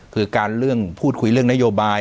คือการพูดคุยเรื่องนโยบาย